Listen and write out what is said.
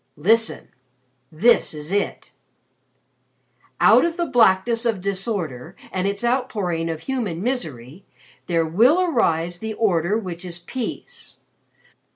"Listen! This is it: "_'Out of the blackness of Disorder and its outpouring of human misery, there will arise the Order which is Peace.